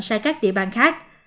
sang các địa bàn khác